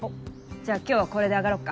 じゃあ今日はこれで上がろっか。